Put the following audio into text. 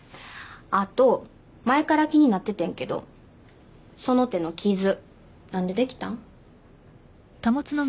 あと前から気になっててんけどその手の傷なんでできたん？